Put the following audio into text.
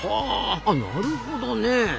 はあなるほどねえ。